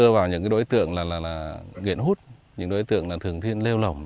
và những đối tượng là nghiện hút những đối tượng là thường thiên lêu lỏng